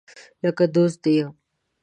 لکه دوست دي یم